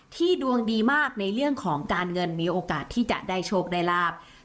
ดวงดีมากในเรื่องของการเงินมีโอกาสที่จะได้โชคได้ลาบ